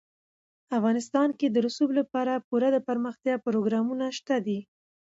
افغانستان کې د رسوب لپاره پوره دپرمختیا پروګرامونه شته دي.